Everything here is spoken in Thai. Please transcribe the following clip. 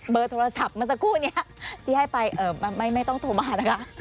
โทรศัพท์เมื่อสักครู่นี้ที่ให้ไปไม่ต้องโทรมานะคะ